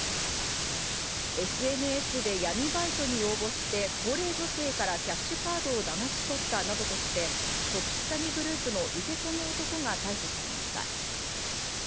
ＳＮＳで闇バイトに応募して、高齢女性からキャッシュカードをだまし取ったなどとして、特殊詐欺グループの受け子の男が逮捕されました。